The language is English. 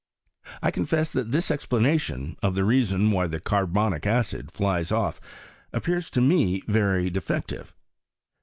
I confess that this explanation, of the reason why the carbonic acid flies off, appears to me very defective.